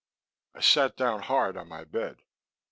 I sat down hard on my bed.